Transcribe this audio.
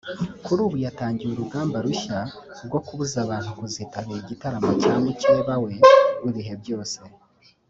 kuri ubu yatangiye urugamba rushya rwo kubuza abantu kuzitabira igitaramo cya mukeba we w’ibihe byose